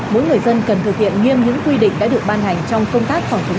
mỗi người dân cần thực hiện nghiêm những quy định đã được ban hành trong công tác phòng chống dịch